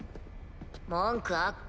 文句あっか？